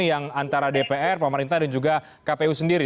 yang antara dpr pemerintah dan juga kpu sendiri